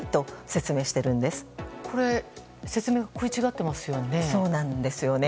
説明が食い違っていますよね。